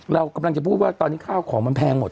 เรากำลังจะพูดว่าตอนนี้ข้าวของมันแพงหมด